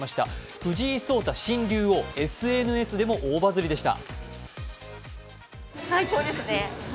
藤井聡太新竜王、ＳＮＳでも大バズリでした。